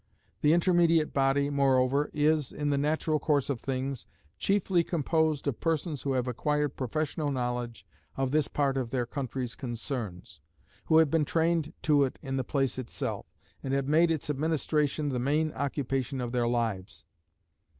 The intermediate body, moreover, is, in the natural course of things, chiefly composed of persons who have acquired professional knowledge of this part of their country's concerns; who have been trained to it in the place itself, and have made its administration the main occupation of their lives.